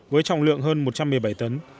với trọng lượng hơn một trăm một mươi bảy tấn